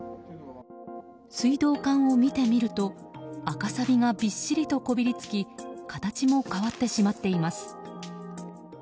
水道管を見てみると赤さびがびっしりとこびりつき形も変わっています。